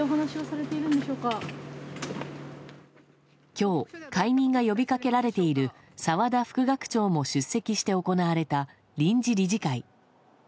今日解任が呼びかけられている澤田副学長も出席して行われた臨時理事会。